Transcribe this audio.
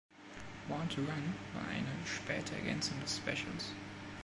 „Born to Run“ war eine späte Ergänzung des Specials.